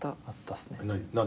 何？